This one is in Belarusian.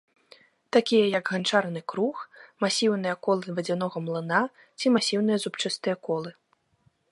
Такія як ганчарны круг, масіўныя колы вадзянога млына ці масіўныя зубчастыя колы.